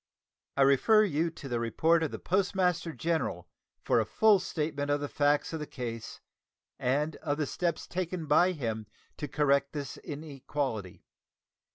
I refer you to the report of the Postmaster General for a full statement of the facts of the case and of the steps taken by him to correct this inequality.